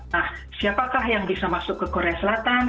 nah siapakah yang bisa masuk ke korea selatan